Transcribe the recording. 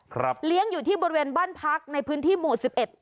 เลี้ยงอยู่ที่บริเวณบ้านพักในพื้นที่หมู่สิบเอ็ด